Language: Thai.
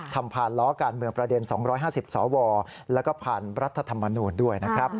ผ่านล้อการเมืองประเด็น๒๕๐สวแล้วก็ผ่านรัฐธรรมนูลด้วยนะครับ